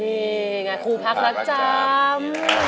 นี่ไงครูพักรักจ้าขอบคุณครับ